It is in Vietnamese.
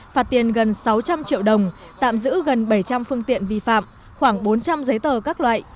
phạt tiền gần sáu trăm linh triệu đồng tạm giữ gần bảy trăm linh phương tiện vi phạm khoảng bốn trăm linh giấy tờ các loại